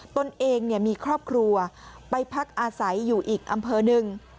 ตนเองมีครอบครัวไปพักอาศัยอยู่อีกอำเภอหนึ่ง